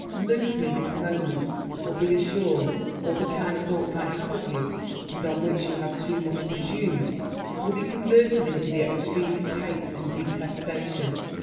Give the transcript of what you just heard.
Loose me this moment! or be assured, all the kind thoughts I had of you, and on which you have too much presumed, will be converted into the extremest hatred and detestation!'